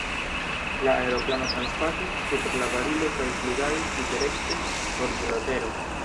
La aeroplano transpasis super la barilo kaj flugadis tute rekte for de l' tero.